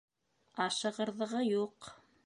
Ашығырҙығы юҡ.